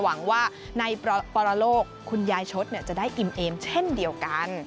หวังว่าในปรโลกคุณยายชดจะได้อิ่มเอมเช่นเดียวกัน